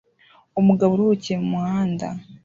Umugabo uruhukiye mumuhanda